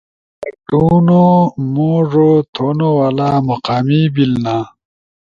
لٹونو، موڙو تھونو والا، مقامی بیلنا